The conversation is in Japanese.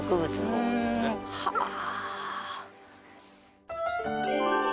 そうですね。はあ。